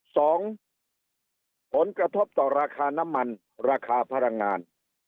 สองผลกระทบต่อราคาน้ำมันราคาพลังงาน